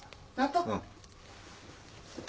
うん。